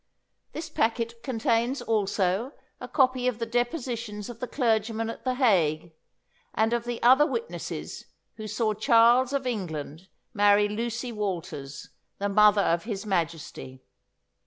This packet contains also a copy of the depositions of the clergyman at The Hague, and of the other witnesses who saw Charles of England marry Lucy Walters, the mother of his Majesty.